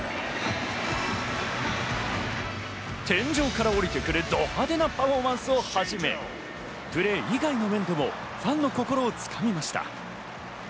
天井から降りてくるド派手なパフォーマンスをはじめ、プレー以外の面でもファンの心を掴みました。